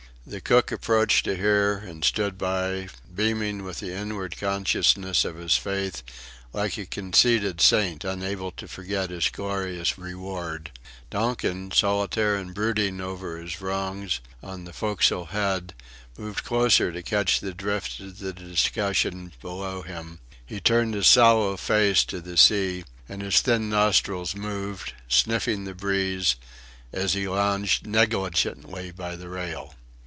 The cook approached to hear, and stood by, beaming with the inward consciousness of his faith, like a conceited saint unable to forget his glorious reward; Donkin, solitary and brooding over his wrongs on the forecastle head, moved closer to catch the drift of the discussion below him; he turned his sallow face to the sea, and his thin nostrils moved, sniffing the breeze, as he lounged negligently by the rail.